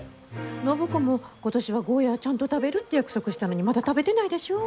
暢子も今年はゴーヤーちゃんと食べるって約束したのにまだ食べてないでしょ？